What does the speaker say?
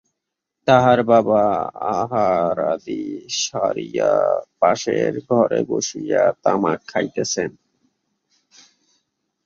তাহার বাবা আহারাদি সারিয়া পাশের ঘরে বসিয়া তামাক খাইতেছেন।